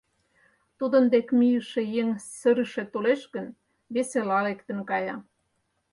Тудын деке мийыше еҥ сырыше толеш гын, весела лектын кая.